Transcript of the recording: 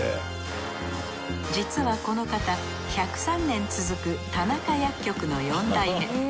実はこの方１０３年続く田中薬局の四代目。